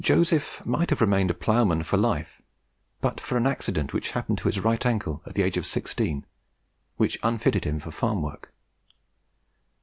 Joseph might have remained a ploughman for life, but for an accident which happened to his right ankle at the age of 16, which unfitted him for farm work.